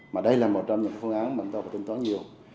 mà đây là một trong những phương án mà bằng tỏa và tâm tỏa nhiều